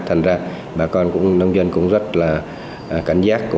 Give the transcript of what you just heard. thành ra bà con cũng rất là cảnh giác